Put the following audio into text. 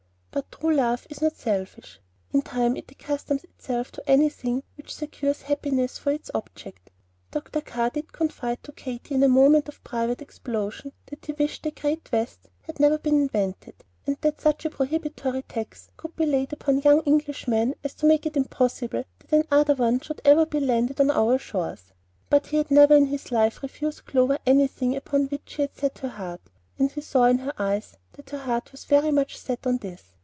But true love is not selfish. In time it accustoms itself to anything which secures happiness for its object. Dr. Carr did confide to Katy in a moment of private explosion that he wished the Great West had never been invented, and that such a prohibitory tax could be laid upon young Englishmen as to make it impossible that another one should ever be landed on our shores; but he had never in his life refused Clover anything upon which she had set her heart, and he saw in her eyes that her heart was very much set on this.